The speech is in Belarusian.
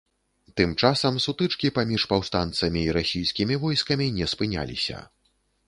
Тым часам сутычкі паміж паўстанцамі і расійскімі войскамі не спыняліся.